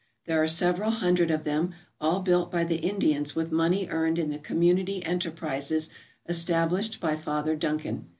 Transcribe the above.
There are several hundred of them, all built fey the Indians with money earned in the community enterprises established by Father Duncan.